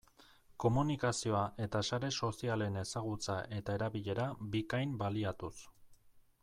Komunikazioa eta sare sozialen ezagutza eta erabilera bikain baliatuz.